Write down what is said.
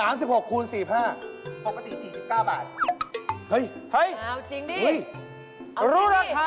นี่ก็ดึงลูกคอ